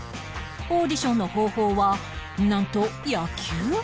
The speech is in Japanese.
オーディションの方法はなんと野球！？